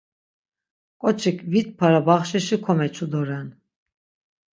Ǩoçik vit para baxşişi komeçu doren.